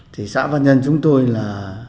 thì xã văn nhân chúng tôi là